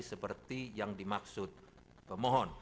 seperti yang dimaksud pemohon